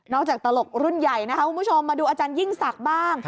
จากตลกรุ่นใหญ่นะคะคุณผู้ชมมาดูอาจารยิ่งศักดิ์บ้าง